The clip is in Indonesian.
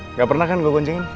nggak pernah kan gue kuncingin